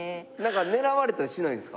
狙われたりしないんですか？